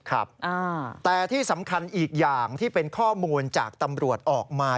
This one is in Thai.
ครับแต่ที่สำคัญอีกอย่างที่เป็นข้อมูลจากตำรวจออกมา